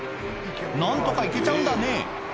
何とか行けちゃうんだね